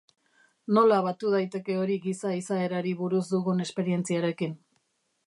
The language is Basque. Nola batu daiteke hori giza izaerari buruz dugun esperientziarekin?